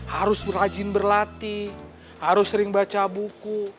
harus rajin berlatih harus sering baca buku